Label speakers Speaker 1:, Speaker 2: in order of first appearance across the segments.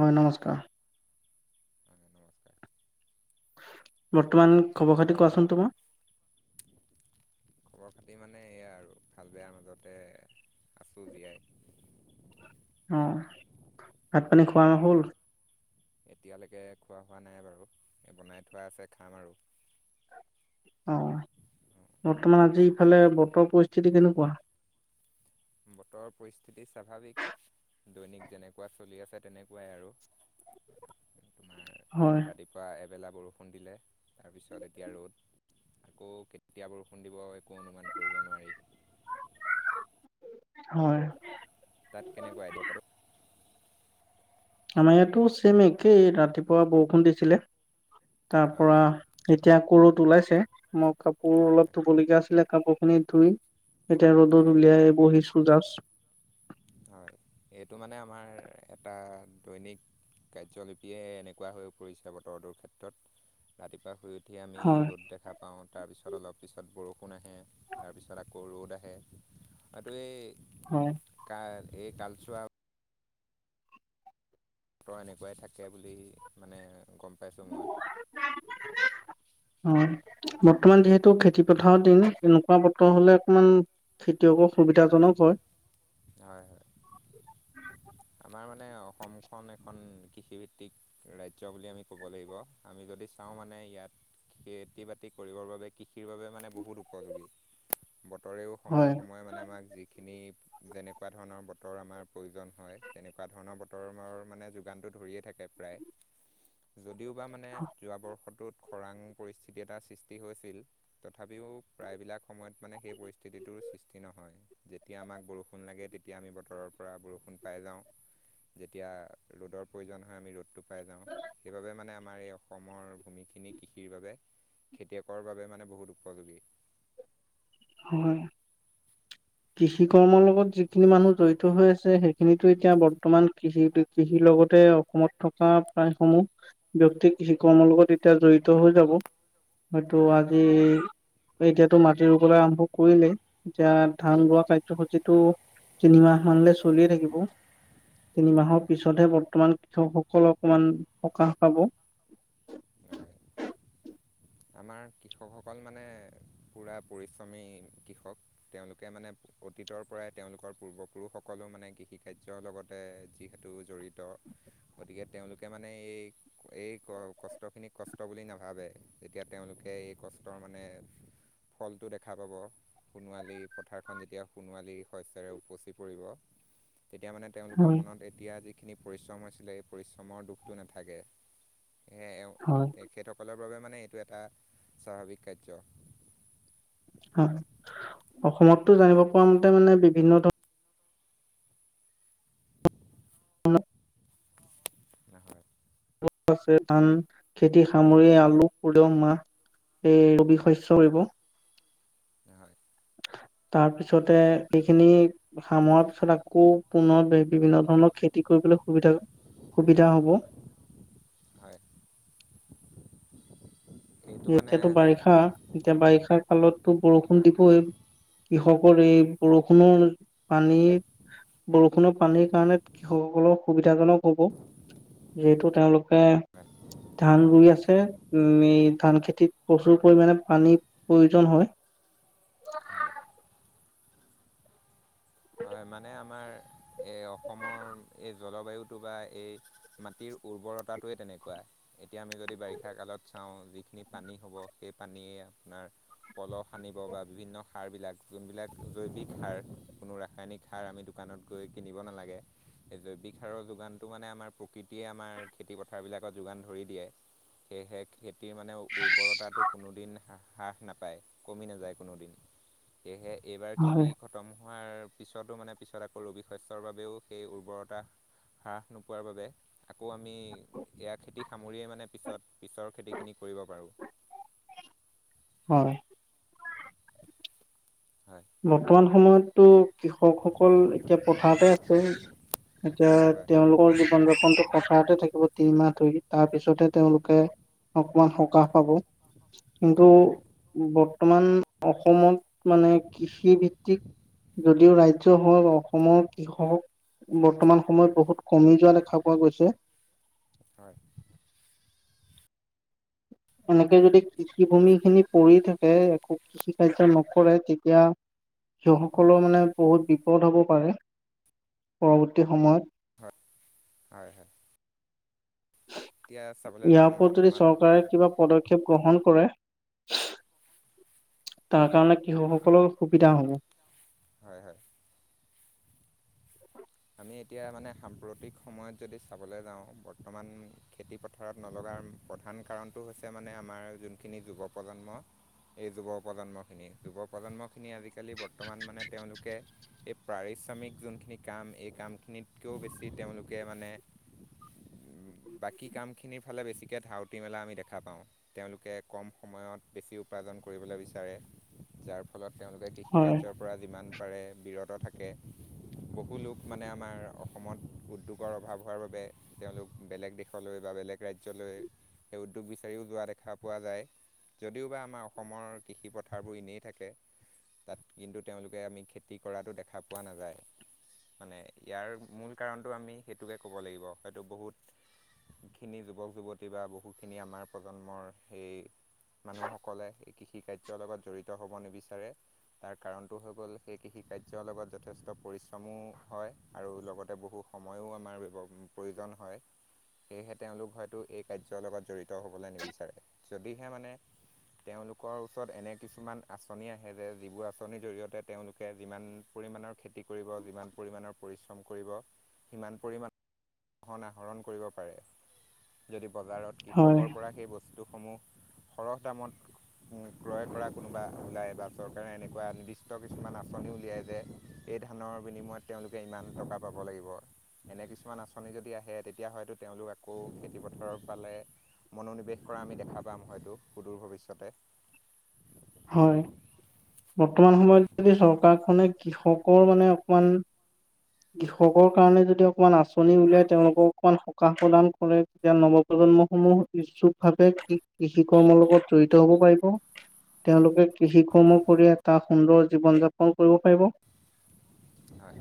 Speaker 1: হয়, নমস্কাৰ।
Speaker 2: অ নমস্কাৰ
Speaker 1: বৰ্তমান খবৰ খাতি
Speaker 2: খোৱা বোৱা
Speaker 1: কোৱাচোন তোমাৰ?
Speaker 2: খবৰ পাতি মানে এইয়া আৰু ভাল বেয়াাৰ মাজতে আছোঁ জীয়াই।
Speaker 1: অউ ভাত পানী খোৱা হ'ল।
Speaker 2: এতিয়ালৈকে খোৱা হোৱা নাই বাৰু। এই বনাই থোৱা আছে খাম আৰু। অ',
Speaker 1: ফালে বতৰ পৰিস্থিতি কেনেকুৱা?
Speaker 2: বতৰৰ পৰিস্থিতি স্বাভাৱিক দৈনিক যেনেকুৱা চলি আছে তেনেকুৱাই আৰু। [inaudible] তোমাৰ
Speaker 1: হয়,
Speaker 2: ৰাতিপুৱা এবেলা বৰষুণ দিলে তাৰপিছত এতিয়া ৰ'দ। আকৌ কেতিয়া বৰষুণ দিব একো অনুমান কৰিব নোৱাৰি।
Speaker 1: হয়,
Speaker 2: তাত কেনেকুৱা [unintelligible]
Speaker 1: আমাৰ ইয়াতো ছেম একেই ৰাতিপুৱা বৰষুণ দিছিলে। তাৰ
Speaker 2: হয়
Speaker 1: পৰা এতিয়া কৰুত ওলাইছে। মই কাপোৰ
Speaker 2: হয়
Speaker 1: অলপ
Speaker 2: হয়
Speaker 1: ধুব লগীয়া আছিলে কাপোৰ খিনি ধুই এতিয়া ৰ'দত
Speaker 2: হয়
Speaker 1: উলিয়াই বহিছো। ফুলজাছ
Speaker 2: হয়, এইটো মানে আমাৰ এটা দৈনিক কাৰ্যলিপিয়ে এনেকুৱা হৈ পৰিছে বতৰটোৰ ক্ষেত্ৰত ৰাতিপুৱা শুই হি আমি
Speaker 1: হয়,
Speaker 2: ৰ'দ দেখা পাওঁ তাৰপিছত তাৰপিছত অলপ পিছত বৰষুণ আহে তাৰপিছত আকৌ ৰ'দ আহে আৰু এই
Speaker 1: হয়
Speaker 2: কাৰ এই কালচোৱা বতৰ এনেকুৱাই থাকে বুলি মানে গম পাইছোঁ মই।
Speaker 1: অ', বৰ্তমান যিহেতু খেতি পথাৰৰ দিন তেনেকুৱা বতৰ হলে অকমান খেতিয়কৰ সুবিধাজনক হয়।
Speaker 2: হয়, হয়, আমাৰ মানে অসমখন এখন কৃষিভিত্তিক ৰাজ্য বুলি আমি ক'ব লাগিব আমি যদি চাওঁ মানে ইয়াত খেতি বাতি কৰিবৰ বাবে কৃষিৰ বাবে মানে বহুত উপযোগী বতৰেও সময়ে
Speaker 1: হয়,
Speaker 2: সময়ে মানে আমাক যিখিনি যেনেকুৱা ধৰণৰ বতৰ আমাৰ প্ৰয়োজন হয় তেনেকুৱা ধৰণৰ বতৰৰ মানে যোগানটো ধৰিয়ে থাকে প্ৰায় যদিওবা মানে যোৱা বৰ্ষটোত খৰাং পৰিস্থিতি এটা সৃষ্টি হৈছিল, তথাপিও প্ৰায়বিলাক সময়ত মানে সেই পৰিস্থিতিটোৰ সৃষ্টি নহয়, যেতিয়া আমাক বৰষুণ লাগে তেতিয়া আমি বতৰৰ পৰা বৰষুণ পাই যাওঁ। যেতিয়া ৰ'দৰ প্ৰয়োজন হয় আমি ৰ'দটো পাই যাওঁ সেইবাবে মানে আমাৰ এই অসমৰ ভূমি খিনি কৃষিৰ বাবে খেতিয়কৰ বাবে মানে বহুত উপযোগী।
Speaker 1: হয়,
Speaker 2: [inaudible]
Speaker 1: কৃষি কৰ্মৰ লগত যিখিনি মানুহ জড়িত হৈ আছে সেইখিনো এতিয়া বৰ্তমান কৃষি কৃষিৰ লগতে অসমত থকা প্ৰায়সমূহ ব্যক্তিক শিকৰ্মৰ লগত এতিয়া জড়িত হৈ যাব। হয়টো
Speaker 2: হয়
Speaker 1: আজি, এতিয়াতো মাটি ৰুবলৈ আৰম্ভ কৰিলেই। এতিয়া ধান ৰোৱা
Speaker 2: হয়
Speaker 1: কাৰ্যসূচীটো তিনিমাহ মানলৈ চলিয়ে থাকিব।
Speaker 2: হয়
Speaker 1: তিনিমাহৰ পিছতহে বৰ্তমান কৃষকসকলে অকমান সকাহ পাব।
Speaker 2: ৰহয় আমাৰ কৃষকসকল মানে পুৰা পৰিশ্ৰমী কৃষক, তেওঁলোকে মানে অতীতৰ পৰাই তেওঁলোকৰ পূৰ্বপুৰুষসকলো মানে কৃষি কাৰ্যৰ লগতে যিহেতু জড়িত। গতিকে তেওঁলোকে মানে এই এই ক কষ্ট খিনিক কষ্ট বুলি নাভাবে। যেতিয়া তেওঁলোকে এই কষ্টৰ মানে ফলটো দেখা পাব সোণোৱালী পথাৰখন যেতিয়া সোণোৱালী শস্যৰে উপচি পৰিব তেতিয়া মানে তেওঁলোকৰ
Speaker 1: হয়
Speaker 2: মনত এতিয়া যিখিনি পৰিশ্ৰম হৈছিলে এই পৰিশ্ৰমৰ দুখটো নাথাকে। সেয়
Speaker 1: হয়
Speaker 2: তেখেতসকলৰ বাবে মানে এইটো এটা স্বাভাৱিক কাৰ্য।
Speaker 1: হয়, অসমতটো জানিব পৰা মতে মানে বিভিন্ন ধৰণৰ অলপ
Speaker 2: নহয়,
Speaker 1: ছে ধান খেতি সামৰি আলু সৰিয়হ মাহ এ ৰবি শস্য় কৰিব।
Speaker 2: হয়
Speaker 1: তাৰ পিছতে সেইখিনি সামাৰ পিছত আকৌ পুনৰ বিভিন্ন ধৰণৰ খেতি কি কৰিবলৈ সুবিধা - সুবিধা হ'ব।
Speaker 2: হয়। এইটো মানে
Speaker 1: এতিয়াতো বাৰিষা, এতিয়া বাৰিষাৰ কা'লতো বৰষুণ
Speaker 2: হয়
Speaker 1: দিবই। কৃষকৰ এই বৰষুণৰ পানী বৰষুণৰ পানীৰ কাৰণে কৃষকসকলৰ সুবিধাজনক হ'ব। যিহেতু তেওঁলোকে
Speaker 2: হয়
Speaker 1: ধান ৰুই আছে। মেইত ধান খেতিত প্ৰচুৰ পৰিমানে পানীৰ প্ৰয়োজন হয়।
Speaker 2: ন [unintelligible] হয় মানে আমাৰ এই অসমৰ এই জলবায়ুটো বা এই মাটিৰ উৰ্বৰতাটোৱে তেনেকুৱা, এতিয়া আমি যদি বাৰিষা কালত চাওঁ যিখিনি পানী হ'ব সেই পানী আৰ পলস আনিব বা বিভিন্ন সাৰ বিলাক যোনবিলাক জৈৱিক সাৰ, ক ৰাসায়নিক সাৰ আমি দোকানত গৈ কিনিব নালাগে। এই জৈৱিক সাৰৰ যোগানটো মানে আমাৰ প্ৰকৃতিয়ে আমাৰ খেতি পথাৰ বিলাকত যোগান ধৰি দিয়ে। সেয়েহে খেতিৰ মানে উৰ্বৰতাটো কোনোদিন হ্ৰাস নাপায়, কমি নাযায় কোনোদিন। সেয়েহে এইবাৰ খেতি
Speaker 1: হয়
Speaker 2: খতম হোৱাৰ পিছতো মানে পিছত আকৌ ৰবি শস্যৰ বাবেও সেই উৰ্বৰতা হ্ৰাস নোপোৱাৰ বাবে আকৌ আমি এয়া খেতি সামৰিয়েই মানে পিছত পিছৰ খেতিখিনি কৰিব পাৰোঁ।
Speaker 1: হয়।
Speaker 2: হয়
Speaker 1: বৰ্তমান সময়তো কৃষকসকল এতিয়া পথাৰতে আছে। এতিয়া
Speaker 2: হয় হয়
Speaker 1: তেওঁলোকৰ জীৱন যাপনটো পথাৰতে থাকিব তিনিমাহ ধৰি। তাৰপিছতহে তেওঁলোকে অকমান সকাহ পাব। কিন্তু
Speaker 2: হয় হয়
Speaker 1: বৰ্তমান অসমত মানে কৃষি ভিত্তিক যদিওঁ ৰাজ্য হয়, অসমৰ কৃষক বৰ্তমান সময়ত বহুত কমি যোৱা দেখা পোৱা গৈছে।
Speaker 2: হয়
Speaker 1: এনেকে যদি কৃষি ভূমি খিনি পৰি থাকে, একো কৃষি কাৰ্য নকৰে তেতিয়া সেই সকলৰ মানে বহুত বিপদ হ'ব পাৰে পৰৱৰ্তী সময়ত।
Speaker 2: হয় হয় হয়। এতিয়া চাবলৈ
Speaker 1: ইয়াৰ
Speaker 2: যাওঁ
Speaker 1: ওপৰত যদি
Speaker 2: বৰ্তমান
Speaker 1: চৰকাৰে
Speaker 2: সময়ত
Speaker 1: কিবা পদক্ষেপ গ্ৰহণ কৰে তাৰ কাৰণে কৃষকসকলৰ সুবিধা হ'ব।
Speaker 2: হয় হয়। আমি এতিয়া মানে সাম্প্ৰতিক সময়ত যদি চাবলৈ যাওঁ বৰ্তমান খেতি পথাৰত নলগা প্ৰধান কাৰণটো হৈছে মানে আমাৰ যোনখিনি যুৱ প্ৰজন্ম এই যুৱ প্ৰজন্ম খিনি। যুৱ প্ৰজন্মক খিনি আজিকালি বৰ্তমান মানে তেওঁলোকে এই পাৰিশ্ৰমিক যোনখিনি কাম এই কামখিনিতকৈও বেছি তেওঁলোকে মানে বাকী কামখিনিৰ ফালে বেছিকৈ ধাউতি মেলা আমি দেখা পাওঁ। তেওঁলোকে কম সময়ত বেছি উপাৰ্জন। কৰিবলৈ বিচাৰে যাৰ ফলত। তেওঁলোকে
Speaker 1: হয়,
Speaker 2: কৃষিকাৰ্যৰ পৰা যিমান পাৰে বিৰত থাকে, বহু লোক মানে আমাৰ অসমত উদ্যোগৰ অভাৱ হোৱাৰ বাবে তেওঁলোক বেলেগ দেশলৈ বা বেলেগ ৰাজ্যলৈ। সেই উদ্যোগ বিচাৰিও যোৱা দেখা পোৱা যায়। যদিও বা আমাৰ অসমৰ কৃষি পথাৰবোৰ এনেই থাকে। তাত কিন্তু তেওঁলোকে আমি খেতি কৰাতো দেখা পোৱা নাযায়। মানে ইয়াৰ মূল কাৰণটো আমি সেইটোকে ক'ব লাগিব। হয়তো বহুত খিনি যুৱক যুৱতী বা বহুখিনি আমাৰ প্ৰজন্মৰ সেই মানুহসকলে এই কৃষি কাৰ্যৰ লগত জড়িত হ'ব নিবিচাৰে। তাৰ কাৰণটো হৈ গ'ল, সেই কৃষি কাৰ্যৰ লগত যথেষ্ট পৰিশ্ৰমো হয় আৰু লগতে বহু সময়ো আমাৰ প্ৰয়োজন হয়। সেয়েহে তেওঁলোক হয়তো এই কাৰ্যৰ লগত জড়িত হবলৈ নিবিচাৰে। যদিহে মানে তেওঁলোকৰ ওচৰত এনে কিছুমান আঁচনি আহে, যে যিবোৰ আঁচনিৰ জৰিয়তে তেওঁলোকে যিমান। পৰিমাণৰ খেতি কৰিব যিমান পৰিমাণৰ পৰিশ্ৰম কৰিব সিমান পৰিমাণৰ শোষণ আহৰণ কৰিব পাৰে, যদি বজাৰত
Speaker 1: হয়,
Speaker 2: কৃষকৰ পৰা সেই বস্তুসমূহ সৰহ দামত উম, ক্ৰয় কৰা কোনোবা ওলাই বা চৰকাৰে এনেকুৱা নিৰ্দিষ্ট কিছুমান আঁচনি উলিয়াই যে। এই ধানৰ বিনিময়ত। তেওঁলোকে ইমান টকা পাব লাগিব, এনে কিছুমান আঁচনি যদি আহে তেতিয়া হয়তো তেওঁলোক আকৌ খেতি। দৰব পালে, মনোনিৱেশ কৰা আমি দেখা পাম হয়তো সুদূৰ ভৱিষ্যতে।
Speaker 1: হয়। বৰ্তমান সময়ত যদি চৰকাৰখনে কৃষকৰ মানে অকমান। কৃষকৰ কাৰণে যদি অকমান আঁচনি উলিয়াই। তেওঁলোকক অকমান সকাহ প্ৰদান কৰে, তেতিয়া নৱ প্ৰজন্মৰ প্ৰজন্মসমূহ ইচ্ছুক ভাৱে কৃষি কৰ্মৰ লগত জড়িত হ'ব পাৰিব। তেওঁলোকে কৃষিকৰ্মহ কৰি এটা সুন্দৰ জীৱন যাপন কৰিব পাৰিব।
Speaker 2: হয়।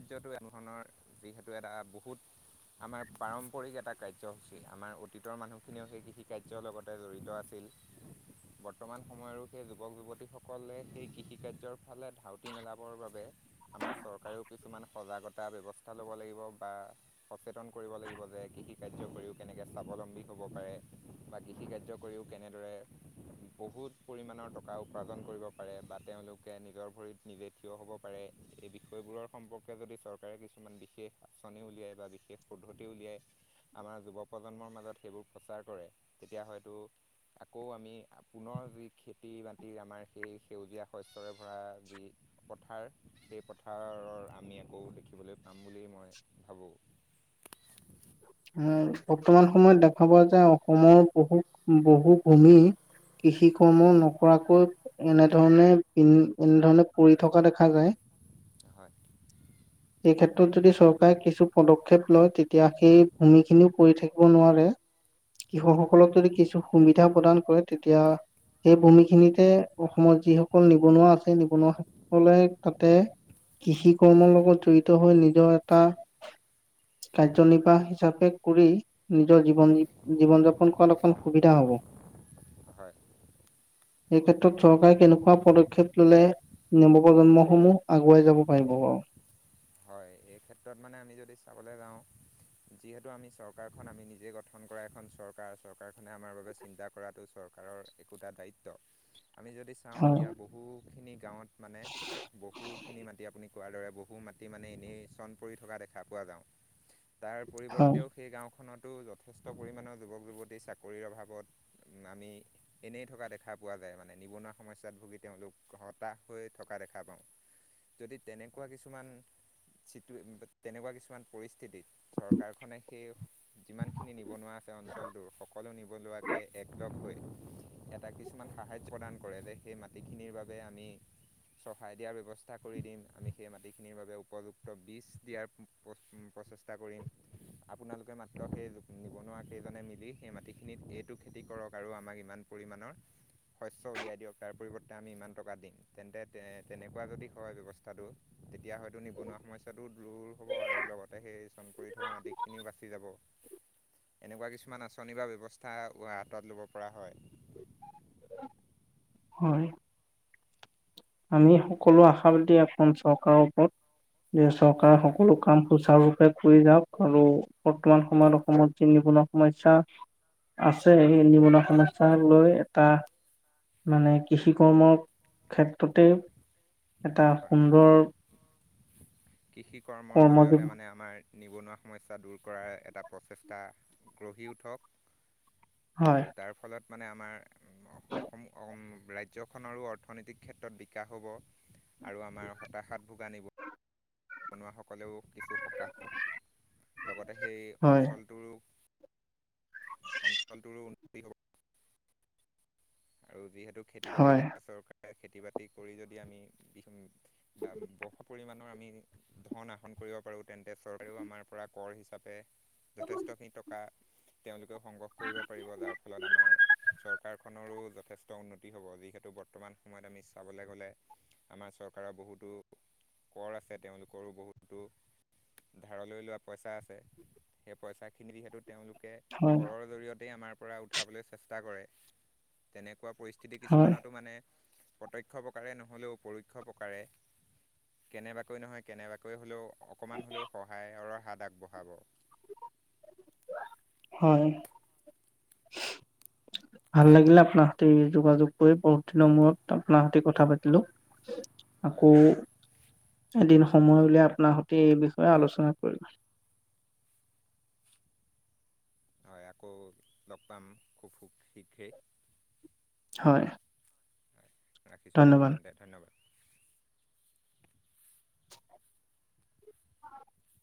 Speaker 2: এতিয়া টো এনেধৰণৰ যিহেতু এটা বহুত। আমাৰ পাৰম্পৰিক এটা কাৰ্যসূচী, আমাৰ অতীতৰ মানুহখিনিও সেই কৃষি কাৰ্যৰ লগতে জড়িত আছিল। উম। বৰ্তমান সময়ৰো সেই যুৱক যুৱতীসকলে সেই কৃষি কাৰ্যৰ ফালে ধাউতি মেলাবৰ বাবে। আমাৰ চৰকাৰেও কিছুমান সজাগতা ব্যৱস্থা ল'ব লাগিব, বা সচেতন কৰিব লাগিব যে কৃষি কাৰ্য কৰিও কেনে। তেনেকৈ স্বাৱলম্বী হ'ব পাৰে বা কৃষিকাৰ্য কৰিও কেনেদৰে। বহুত পৰিমাণৰ টকা উপাৰ্জন কৰিব পাৰে বা তেওঁলোকে নিজৰ ভৰিত নিজে থিয় হ'ব পাৰে। এই বিষয়বোৰত। সম্পৰ্কে যদি চৰকাৰে কিছুমান বিশেষ আঁচনি উলিয়াই বা বিশেষ পদ্ধতি উলিয়াই আমাৰ যুৱক প্ৰজন্মৰ মাজত সেইবোৰ প্ৰচাৰ কৰে, তেতিয়া হয়তো। আকৌ আমি পুনৰ যি খেতি বাতি আমাৰ সেই সেউজীয়া শস্যৰে ভৰা যি। পথাৰ সেই পথাৰৰ আমি আকৌ দেখিবলৈ পাম বুলি মই ভাবোঁ।
Speaker 1: আহ বৰ্তমান সময়ত দেখা পোৱা যোয় অসমৰ বহু বহু ভূমি। কৃষি কৰ্ম নকৰাকৈ এনেধৰণে বি এনেধৰণে পৰি থকা দেখা যায়।
Speaker 2: হয়।
Speaker 1: এই ক্ষেত্ৰত যদি চৰকাৰে কিছু পদক্ষেপ লয় তে এতিয়া সেই ভূমি খিনিও পৰি থাকিব নোৱাৰে।
Speaker 2: হয় হয়
Speaker 1: কৃষকসকলক যদি কিছু সুবিধা সূতিয়া প্ৰদান কৰে তেতিয়া। সেই ভূমিখিনিতে অসমত যিসকল নিবনুৱা আছে, নিবনুৱাসকলে তাতে কৃষি কৰ্মৰ লগত জড়িত হৈ নিজৰ এটা। কাৰ্যনিৰ্বাহ হিচাপে কৰি নিজৰ জীৱন, জীৱন-যাপন কৰাত অকণ সুবিধা হ'ব।
Speaker 2: হয়।
Speaker 1: এই ক্ষেত্ৰত চৰকাৰে কেনেকুৱা পদক্ষেপ ল'লে নৱপ্ৰজন্মসমূহ আগুৱাই যাব পাৰিব বাৰু।
Speaker 2: হয়। এই ক্ষেত্ৰত মানে আমি যদি চাবলৈ যাওঁ যিহেতু আমি চৰকাৰখন আমি নিজে গঠন কৰা এখন চৰকাৰ। চৰকাৰখনে আমাৰ বাবে চিন্তা কৰাটো চৰ কাৰৰ একোটা দায়িত্। আমি যদি চাওঁ
Speaker 1: হয়
Speaker 2: এতিয়া বহু খিনি গাঁৱত মানে বহুখিনি মাটি আপুনি কোৱাৰ দৰে বহু মাটি মানে এনেই চন পৰি থকা দেখা পোৱা যাওঁ। তাৰ
Speaker 1: হয়
Speaker 2: পৰিৱৰ্তেও সেই গাঁওখনত। আৰু যথেষ্ট পৰিমাণৰ যুৱক যুৱতী চাকৰিৰ অভাৱত আমি এনেই থকা দেখা পোৱা যায়। মানে নিবনুৱা সমস্যাত ভুগি তেওঁলোক হতাশ হৈ থকা দেখা পাওঁ। যদি তেনেকুৱা কিছুমান তেনেকুৱা কিছুমান পৰিস্থিতিত চৰকাৰখনে সেই যিমান খিনি নিবনুৱা আছে। অঞ্চলটোৰ সকলো নিবনুৱাকে এক লগ হৈ। এটা কিছুমান সাহাৰ্য্য প্ৰদান কৰে, যে সেই মাটিখিনিৰ বাবে আমি চহাই দিয়াৰ ব্যৱস্থা কৰি দিম। আমি সেই মাটিখিনিৰ বাবে উপযুক্ বীজ দিয়াৰ প্ৰ-প্ৰচেষ্টা কৰিম। আপোনালোকে মাত্ৰ সেই নিবনুৱাকে জনে মিলি সেই মাটিখিনিত এইটো খেতি কৰক আৰু আমাক ইমান পৰিমাণৰ শস্য উলিয়াই দিয়ক তাৰ পৰিৱৰ্তে আমি ইমান টকা দিম, তেন্তে তে-তেনেকুৱা যদি হয় ব্যৱস্থাটো তেতিয়া হয়তো নিবনুৱা সমস্ সমস্যাটো দূৰ হ'ব, আৰু লগতে সেই চন পৰি থকা মাটিখিনিও বাচি যাব। এনেকুৱা কিছুমান আঁচনি বা ব্যৱস্থা হাতত ল'ব পৰা হয়।
Speaker 1: হয়। আমি সকলো আশাবাদী অসম চৰকাৰৰ ওপৰত। যে চৰকাৰে
Speaker 2: হয় হয়
Speaker 1: সকলো কাম সুচাৰুপে কৰি যাওক আৰু বৰ্তমান সময়ত অসমত যি নিবনুৱা সমস্যা আছে এই নিবনুৱা সমস্যা লৈ এটা মানে কৃষি কৰ্মৰ ক্ষেত্ৰ ততেই এটা সুন্দৰ
Speaker 2: কৃষিকৰ্মৰ
Speaker 1: কৰ্ম
Speaker 2: জৰি়য়তে মানে আমাৰ নিবনুৱা সমস্যা দূৰ কৰাৰ এটা প্ৰচেষ্টা গঢ়ি উঠক।
Speaker 1: হয়
Speaker 2: আৰু তাৰ ফলত মানে আমাৰ অসম-অম ৰাজ্যখনৰো অৰ্থনৈতিক ক্ষেত্ৰত বিকাশ হ'ব। আৰু আমাৰ হতাশাত ভোগা নিব বনুৱাসকলেও কিছু সকাহ পাব। লগতে সেই
Speaker 1: হয়
Speaker 2: অঞ্চলটোৰো অঞ্চলটোৰো উন্নতি হ'ব। আৰু যিহেতু খেতি-বাতিৰ
Speaker 1: হয়
Speaker 2: [unintelligible] চৰকাৰ খেতি-বাতি কৰি যদি আমি বিহম [unintelligible] পৰিমাণৰ আমি ধন আসন ক কৰিব পাৰোঁ। তেন্তে চৰকাৰ আমাৰ পৰা কৰ হিচাপে যথেষ্ট খিনি টকা তেওঁলোক সংগ্ৰহ কৰিব পাৰিব। যাৰ ফলত আমাৰ চৰকাৰখনৰো যথেষ্ট উন্নতি হ'ব। যিহেতু বৰ্তমান সময়ত আমি চাবলৈ গ'লে আমাৰ চৰকাৰৰ বহুতো কৰ আছে। তেওঁলোকৰো বহুতো ধাৰলৈ লোৱা পইচা আছে, সেই পইচাখিনি যহেতু তেওঁলোকে
Speaker 1: হয়
Speaker 2: কৰৰ জৰিয়তেই আমাৰ পৰা উঠাবলৈ চেষ্টা কৰে। তেনে কোৱা পৰিস্থিতি
Speaker 1: হয়
Speaker 2: কিছুমানতো মানে প্ৰত্যক্ষ প্ৰকাৰে নহ'লেও পৰোক্ষ প্ৰকাৰে কেনেবাকৈ নহয় কেনেবাকৈ হ'লেও অকণমান হ'লেও সহায়ৰৰ হাত আগবঢ়াব।
Speaker 1: হয়।
Speaker 2: [inaudible]
Speaker 1: ভাল লাগিলে আপোনাৰ সতি যোগাযোগ কৰি বহুত দিনৰ মূৰত। আপোনাৰ সতি কথা পাতিলো।
Speaker 2: হয় হয়।
Speaker 1: আকৌ এদিন সময় উলিয়াই আপোনাৰ সতে এই বিষয়ে আলোচনা কৰিম।
Speaker 2: [inaudible] হয় আকৌ লগ পাম খুব শীঘ্ৰেই।
Speaker 1: হয়।
Speaker 2: হয় ৰাখিছোঁ
Speaker 1: ধন্যবাদ
Speaker 2: দিয়ক তেন্তে ধ